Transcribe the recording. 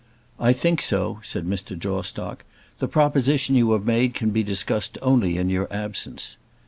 "I think so," said Mr. Jawstock. "The proposition you have made can be discussed only in your absence."